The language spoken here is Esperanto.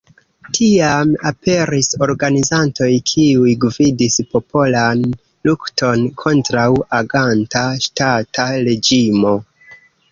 Tiam aperis organizantoj kiuj gvidis popolan lukton kontraŭ aganta ŝtata reĝimo.